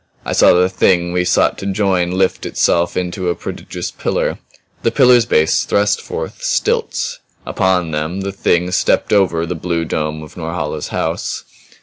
I saw the Thing we sought to join lift itself into a prodigious pillar; the pillar's base thrust forth stilts; upon them the Thing stepped over the blue dome of Norhala's house.